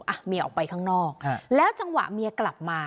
อ่ะเมียออกไปข้างนอกแล้วจังหวะเมียกลับมา